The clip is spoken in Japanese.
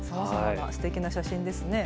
すてきな写真ですね。